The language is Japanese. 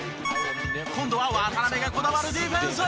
今度は渡邊がこだわるディフェンス。